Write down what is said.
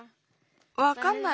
わかんない。